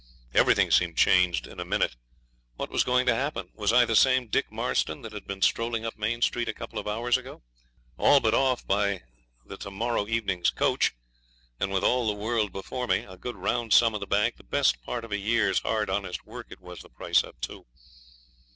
Everything seemed changed in a minute. What was going to happen? Was I the same Dick Marston that had been strolling up Main Street a couple of hours ago? All but off by the to morrow evening's coach, and with all the world before me, a good round sum in the bank; best part of a year's hard, honest work it was the price of, too.